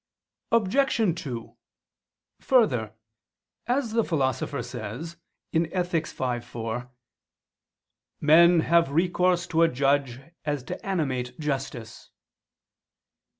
Obj. 2: Further, As the Philosopher says (Ethic. v, 4), "men have recourse to a judge as to animate justice."